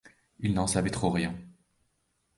Il n’en savait trop rien.